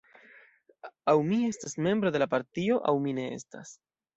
Aŭ mi estas membro de la partio aŭ mi ne estas.